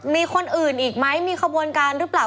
มีคนอื่นอีกไหมมีขบวนการหรือเปล่า